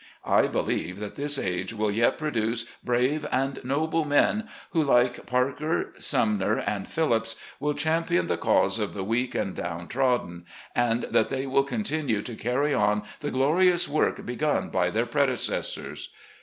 I believe that this age will yet produce brave and noble men who, like Parker, Sumner and Phillips, will champion the cause of the weak and down trod den, and that they will continue to carry on the glorious work begun by their predecessors.